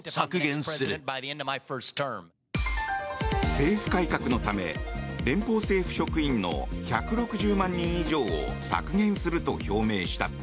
政府改革のため連邦政府職員の１６０万人以上を削減すると表明した。